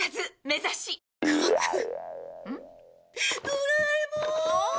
ドラえもーん！